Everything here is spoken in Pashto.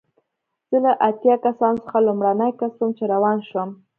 زه له اتیا کسانو څخه لومړنی کس وم چې روان شوم.